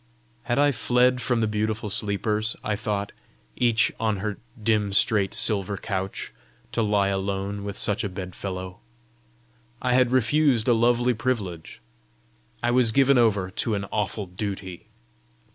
Had I fled from the beautiful sleepers, I thought, each on her "dim, straight" silver couch, to lie alone with such a bedfellow! I had refused a lovely privilege: I was given over to an awful duty!